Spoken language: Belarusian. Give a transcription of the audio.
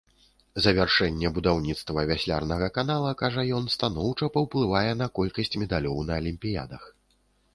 Завяршэнне будаўніцтва вяслярнага канала, кажа ён, станоўча паўплывае на колькасць медалёў на алімпіядах.